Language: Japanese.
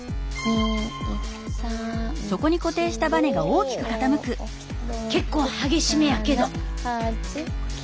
あら結構激し目やけど。